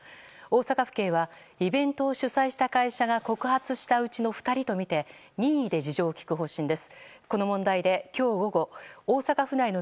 大阪府警はイベントを主催した会社が告発したうちの２人とみて任意で事情を聴く方針です。